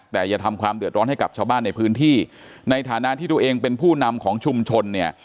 แต่อย่าทำความเดือดร้อนให้กับชาวบ้านในพื้นที่ในฐานะที่ตัวเองเป็นผู้นำของชุมชนเนี่ย